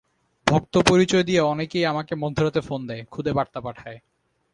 ভক্ত পরিচয় দিয়ে অনেকেই আমাকে মধ্যরাতে ফোন দেয়, খুদে বার্তা পাঠায়।